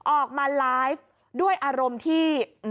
ออกมาไลฟ์ด้วยอารมณ์ที่